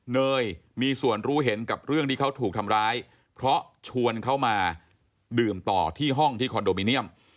เนยมีส่วนรู้เห็นกับเรื่องที่เขาถูกทำร้ายเพราะชวนเขามาดื่มต่อที่ห้องที่คอนโดมิเนียม